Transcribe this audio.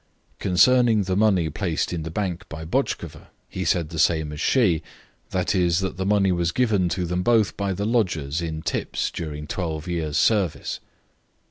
Concerning the money placed in the bank by Botchkova, he said the same as she, that is, that the money was given to them both by the lodgers in tips during 12 years' service.